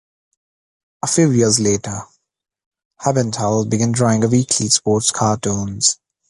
A few years later, Hubenthal began drawing a weekly sports cartoons.